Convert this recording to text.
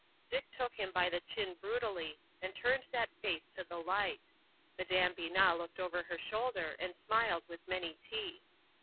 Dick took him by the chin brutally and turned that face to the light. Madame Binat looked over her shoulder and smiled with many teeth.